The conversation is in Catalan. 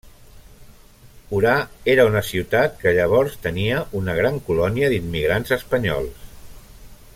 Orà era una ciutat que llavors tenia una gran colònia d'immigrants espanyols.